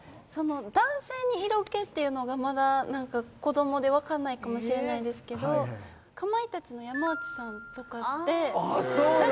男性に色気っていうのがまだ何か子どもで分かんないかもしれないですけどかまいたちの山内さんとかってあっそうなん？